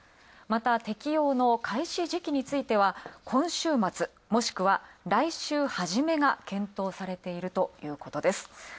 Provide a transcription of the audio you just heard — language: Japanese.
また適用の開始時期については今週末、もしくは来週はじめが検討されているということです。